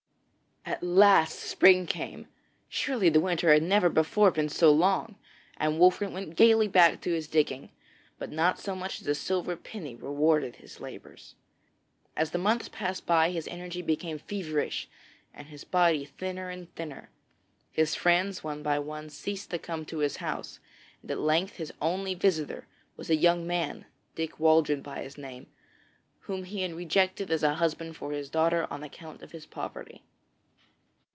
At last spring came surely the winter had never before been so long! and Wolfert went gaily back to his digging; but not so much as a silver penny rewarded his labours. As the months passed by his energy became feverish, and his body thinner and thinner. His friends, one by one, ceased to come to his house, and at length his only visitor was a young man Dick Waldron by name whom he had rejected as a husband for his daughter on account of his poverty.